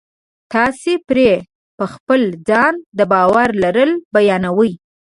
تاسې پرې په خپل ځان د باور لرل بیانوئ